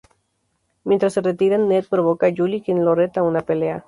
Mientras se retiran, Ned provoca Julie, quien lo reta a una pelea.